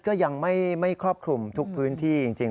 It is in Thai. ก็ยังไม่ครอบคลุมทุกพื้นที่จริง